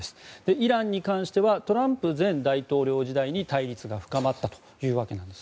イランに関してはトランプ前大統領時代に対立が深まったということです。